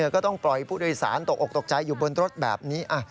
ก็ต้องปล่อยผู้โดยสารตกออกตกใจอยู่บนรถแบบนี้